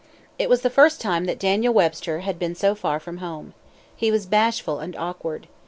It was the first time that Daniel Webster had been so far from home. He was bashful and awkward.